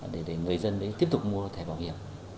để người dân tiếp tục mua thẻ bảo hiểm